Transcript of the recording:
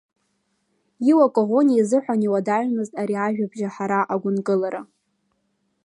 Иуа Коӷониа изыҳәан иуадаҩмызт ари ажәабжь аҳара-агәынкылара…